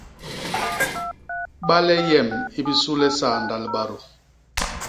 Bale yem i bisu le saanda libadô..